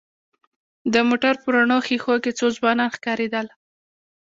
د موټر په رڼو ښېښو کې څو ځوانان ښکارېدل.